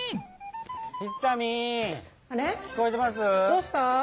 どうした？